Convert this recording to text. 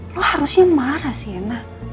lo harusnya marah sih enak